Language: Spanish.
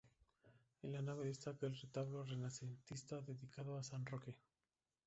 En la nave destaca el retablo renacentista dedicado a San Roque.